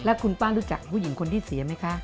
และคุณรู้จักผู้หญิงที่เสียไม่คะ